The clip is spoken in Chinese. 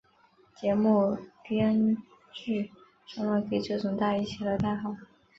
节目编剧专门给这种大衣起了代号。